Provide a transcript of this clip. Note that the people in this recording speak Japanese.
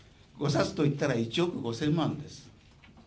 ５冊といったら１億５０００万円です。